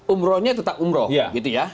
umrohnya tetap umroh gitu ya